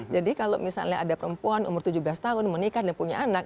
jadi kalau misalnya ada perempuan umur tujuh belas tahun menikah dan punya anak